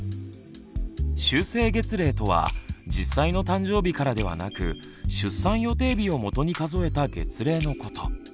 修正月齢とは実際の誕生日からではなく出産予定日をもとに数えた月齢のこと。